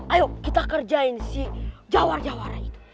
ayo kita kerjain si jawar jawara itu